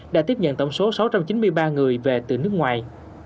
đã tiếp nhận tổng số sáu trăm chín mươi ba người về từ nước ngoài